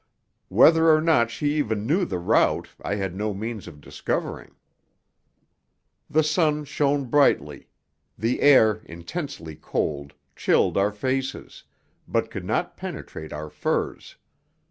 Whether or not she even knew the route I had no means of discovering. The sun shone brightly; the air, intensely cold, chilled our faces, but could not penetrate our furs.